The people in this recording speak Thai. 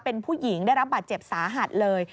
เป็นผู้หญิงได้รับบาดเจ็บสาหัสเลย